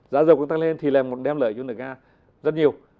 giá dầu càng tăng lên thì là một đem lợi cho nước nga rất nhiều